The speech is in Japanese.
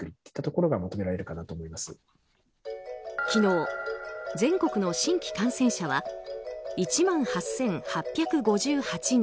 昨日、全国の新規感染者は１万８８５８人。